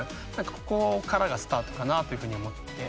ここからがスタートかなというふうに思って。